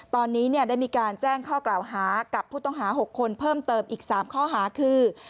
ตอนนี้ได้มีการแจ้งข้อกล่าวหากับผู้ต้องหา๖คนเพิ่มเติมอีก๓ข้อหาคือ